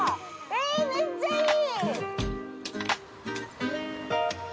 えーっ、めっちゃいい！